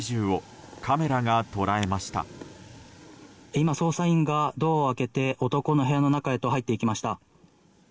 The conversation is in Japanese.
今、捜査員がドアを開けて男の部屋の中へと入っていきました。